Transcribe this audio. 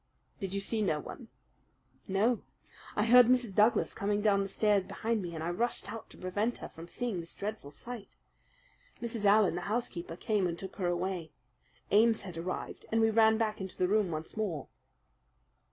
"Did you see no one?" "No. I heard Mrs. Douglas coming down the stair behind me, and I rushed out to prevent her from seeing this dreadful sight. Mrs. Allen, the housekeeper, came and took her away. Ames had arrived, and we ran back into the room once more."